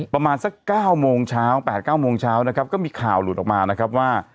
ประมาณสัก๙โมงเช้า๘๙โมงเช้านะครับก็มีข่าวหลุดออกมานะครับว่า